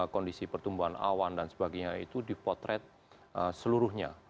kondisi pertumbuhan awan dan sebagainya itu dipotret seluruhnya